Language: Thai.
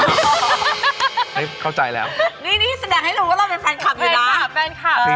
ปีนี้เก่ามากประมาณ๑๑ปี